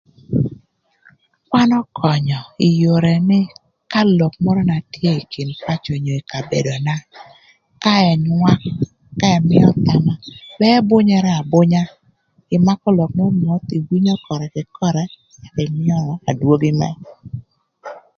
Kwan ökönyö ï yore nï ka lok mörö na tye ï kin pacö onyo ï kabedona ka ënywakö, ka ëmïö thama, ba ëbünyërë abünya, ëmakö lok nön moth, iwinyo körë kï köre më nwongo adwogi mërë.